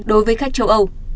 đối với khách châu âu